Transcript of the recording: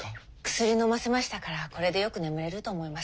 薬のませましたからこれでよく眠れると思います。